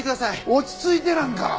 落ち着いてなんか！